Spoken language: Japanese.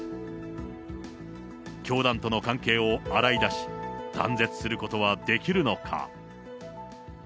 教団との関係を洗い出し、断絶することはできるのか。